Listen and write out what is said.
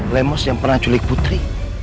lemos yang pernah culik putri